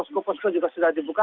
kukusku juga sudah dibuka